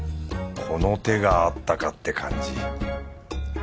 この手があったかって感じ。